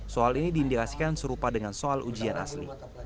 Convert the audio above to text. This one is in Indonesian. soal ini diindikasikan serupa dengan soal ujian asli